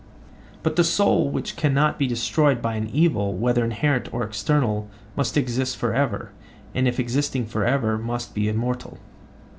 But the soul which cannot be destroyed by an evil, whether inherent or external, must exist for ever, and if existing for ever, must be immortal?